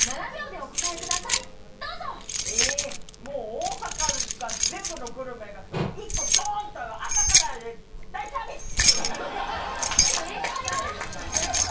大阪が全部のグルメが１個ドーンと朝から大サービス！